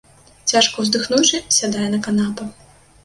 Цяжка ўздыхнуўшы, сядае на канапу.